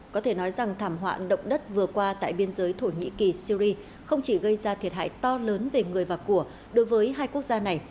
có thể nói rằng thảm họa động đất vừa qua tại biên giới thổ nhĩ kỳ syri không chỉ gây ra thiệt hại to lớn về người và của đối với hai quốc gia này